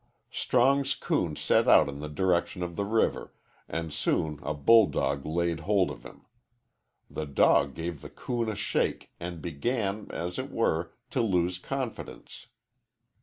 Strong's coon set out in the direction of the river, and soon a bull dog laid hold of him. The dog gave the coon a shake, and began, as it were, to lose confidence.